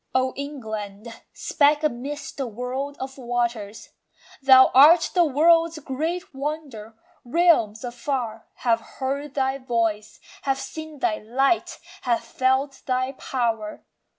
O England, speck amidst the world of waters! Thou art the world's great wonder. Realms afar Have heard thy voice, have seen thy light, have felt thy power.